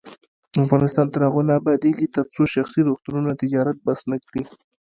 افغانستان تر هغو نه ابادیږي، ترڅو شخصي روغتونونه تجارت بس نکړي.